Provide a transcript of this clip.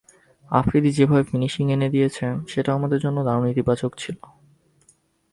আফ্রিদি যেভাবে ফিনিশিং এনে দিয়েছে, সেটাও আমাদের জন্য দারুণ ইতিবাচক ছিল।